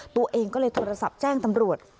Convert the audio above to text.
ตัวเองก็เลยโทรศัพท์แจ้งตำรวจ